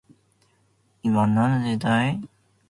今何時だい